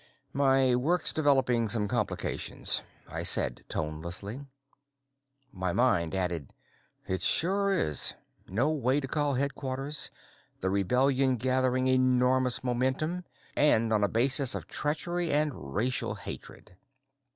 "My work's developing some complications," I said tonelessly. My mind added: _It sure is. No way to call headquarters, the rebellion gathering enormous momentum, and on a basis of treachery and racial hatred.